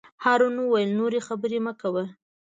هارون وویل: نورې خبرې مه کوه.